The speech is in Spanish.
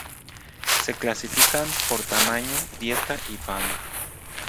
Se clasifican por tamaño, dieta y fama.